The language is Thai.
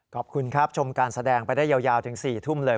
ขอบคุณครับชมการแสดงไปได้ยาวถึง๔ทุ่มเลย